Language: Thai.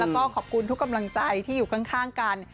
แล้วก็ขอบคุณทุกกำลังใจที่อยู่ข้างกัน